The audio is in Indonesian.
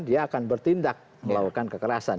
dia akan bertindak melakukan kekerasan